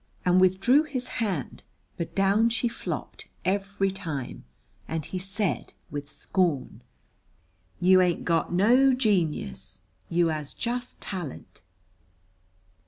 and withdrew his hand, but down she flopped every time, and he said, with scorn, "You ain't got no genius: you has just talent."